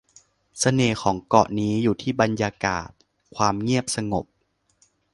เสน่ห์ของเกาะนี้อยู่ที่บรรยากาศความเงียบสงบ